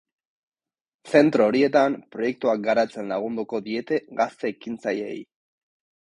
Zentro horietan, proiektuak garatzen lagunduko diete gazte ekintzaileei.